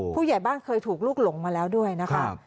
ผู้ใหญ่บ้านเคยถูกลูกหลงมาแล้วด้วยนะคะ